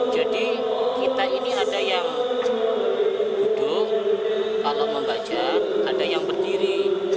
jadi kita ini ada yang duduk kalau membaca ada yang berdiri